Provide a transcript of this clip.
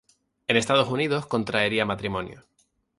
En Estados Unidos contraería matrimonio.